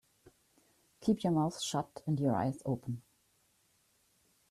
Keep your mouth shut and your eyes open.